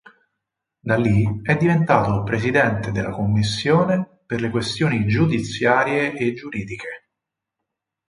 Da lì è diventato presidente della commissione per le questioni giudiziarie e giuridiche.